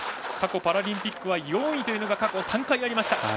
過去パラリンピックは４位が過去３回ありました。